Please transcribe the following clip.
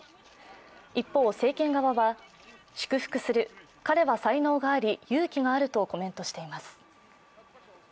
一方、政権側は祝福する彼は才能があり勇気があるとコメントしています。